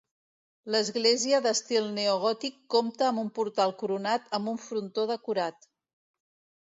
L'església d'estil neogòtic compta amb un portal coronat amb un frontó decorat.